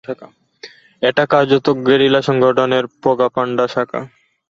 এটা কার্যত গেরিলা সংগঠনের প্রোপাগান্ডা শাখা।